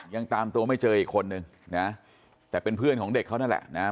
ยังตามตัวไม่เจออีกคนนึงนะแต่เป็นเพื่อนของเด็กเขานั่นแหละนะฮะ